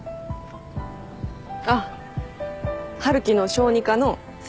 あっ春樹の小児科の先生。